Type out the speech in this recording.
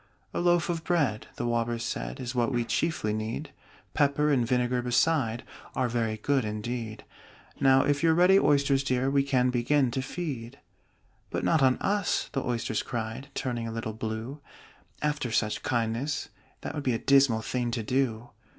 "A loaf of bread," the Walrus said, "Is what we chiefly need: Pepper and vinegar beside Are very good indeed Now if you're ready, Oysters dear, We can begin to feed." "But not on us!" the Oysters cried, Turning a little blue. "After such kindness, that would be A dismal thing to do!"